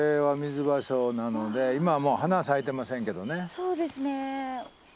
そうですね。